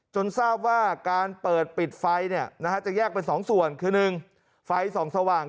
จนทราบว่าการเปิดปิดไฟเนี่ยจะแยกเป็น๒ส่วนคือ๑ไฟ๒สว่าง